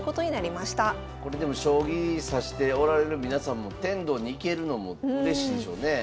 これでも将棋指しておられる皆さんも天童に行けるのもうれしいでしょうねえ。